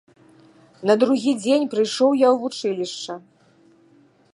На другі дзень прыйшоў я ў вучылішча.